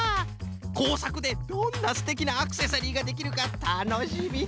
こうさくでどんなすてきなアクセサリーができるかたのしみたのしみフフ。